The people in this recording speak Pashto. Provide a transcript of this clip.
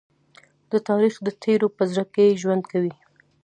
تاریخ د تېرو په زړه کې ژوند کوي.